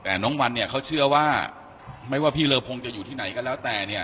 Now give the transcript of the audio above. แต่น้องวันเนี่ยเขาเชื่อว่าไม่ว่าพี่เลอพงจะอยู่ที่ไหนก็แล้วแต่เนี่ย